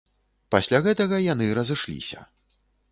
Пасля гэтага яны разышліся.